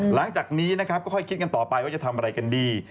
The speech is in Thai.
หลังจากนี้นะครับก็ค่อยคิดกันต่อไปว่าจะทำอะไรกันดี